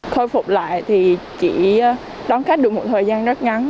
khôi phục lại thì chỉ đón khách được một thời gian rất ngắn